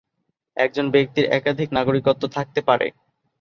একজন ব্যক্তির একাধিক নাগরিকত্ব থাকতে পারে।